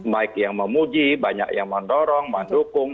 baik yang memuji banyak yang mendorong mendukung